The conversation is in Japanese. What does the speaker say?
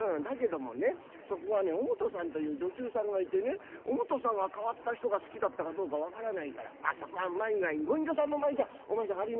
だけどもねそこはお元さんという女中さんがいてねお元さんが変わった人が好きだったかどうか分からないからまあそこはうまい具合にご隠居さんの前じゃお前さん